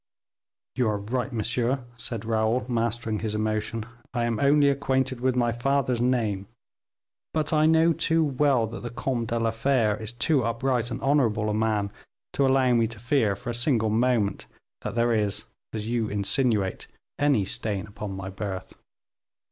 "You are right, monsieur," said Raoul, mastering his emotion, "I am only acquainted with my father's name; but I know too well that the Comte de la Fere is too upright and honorable a man to allow me to fear for a single moment that there is, as you insinuate, any stain upon my birth.